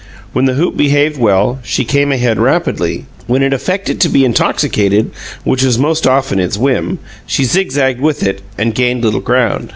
When the hoop behaved well, she came ahead rapidly; when it affected to be intoxicated, which was most often its whim, she zigzagged with it, and gained little ground.